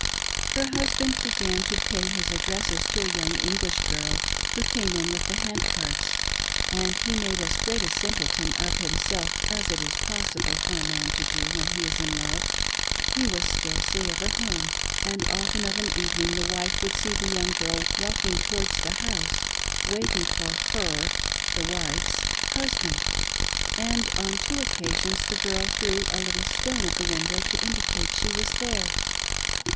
Her husband began to pay his addresses to a young English girl who came in with the hatid carts, and he made as great a simpleton of himself as it is possible for a man to do when he is in love. He was "THE OLD WOMAN IS FULL OF THE DEVIL." 495 scarcely ever at home ; and often of an evening the wife would see the young girl walking towards the house waiting for. her — the wife's — husband, and on two occasions the girl threw a little stone at the window to indicate that she was there.